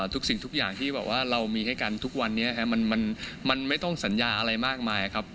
ทุกสิ่งทุกอย่างที่แบบว่าเรามีให้กันทุกวันนี้มันไม่ต้องสัญญาอะไรมากมายครับ